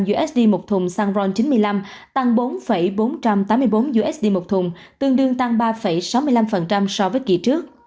một trăm hai mươi bảy năm usd một thùng xăng ron chín mươi năm tăng bốn bốn trăm tám mươi bốn usd một thùng tương đương tăng ba sáu mươi năm so với kỳ trước